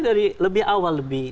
dari awal sudah